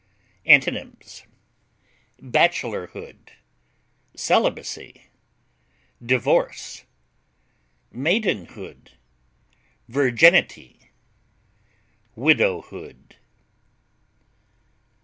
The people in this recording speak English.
Antonyms: bachelorhood, celibacy, divorce, maidenhood, virginity, widowhood.